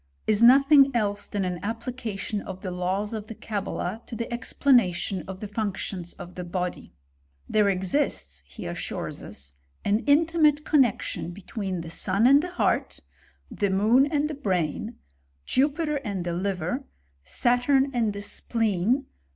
is nothing else than an ap plication of the laws of the Cabala to the explanation of the functions of the body. There exists, he assvix^^ us, an intimate connexion between the sun 'dad \5ftfe 168 RIStORY OF CHEMISTRY. heart, the moon and the brain, Jupiter and the liver, Saturn and the spleen.